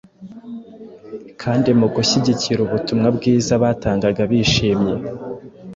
kandi mu gushyigikira ubutumwa bwiza batangaga bishimye.